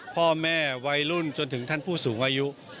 พ่อแม่วัยรุ่นจนถึงท่านผู้สูงอายุ